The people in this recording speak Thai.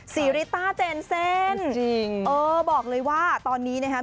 ริต้าเจนเซ่นจริงเออบอกเลยว่าตอนนี้นะครับ